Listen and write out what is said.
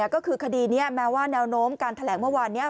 ก็คือคดีนี้แม้ว่าแนวโน้มการแถลงเมื่อวานนี้